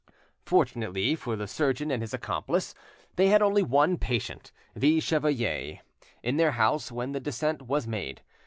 Fortunately for the surgeon and his accomplice, they had only one patient—the chevalier—in their house when the descent was made.